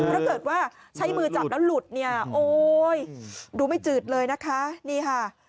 ถ้าเกิดว่าใช้มือจับแล้วหลุดเนี่ยโอ้ยดูไม่จืดเลยนะคะนี่ค่ะ